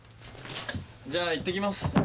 じゃあいってきます。